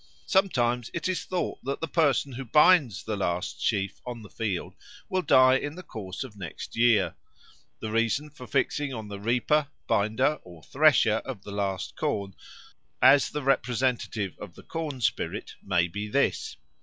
Sometimes it is thought that the person who binds the last sheaf on the field will die in the course of next year. The reason for fixing on the reaper, binder, or thresher of the last corn as the representative of the corn spirit may be this.